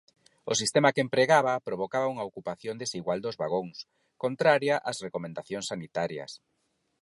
O sistema que empregaba provocaba unha ocupación desigual dos vagóns, contraria ás recomendacións sanitarias.